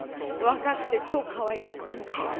若くて超かわいかったんです。